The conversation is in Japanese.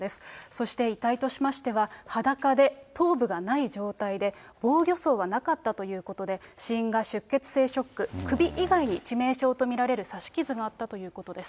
そして遺体としましては、裸で頭部がない状態で、防御創はなかったということで、死因が出血性ショック、首以外に致命傷と見られる刺し傷があったということです。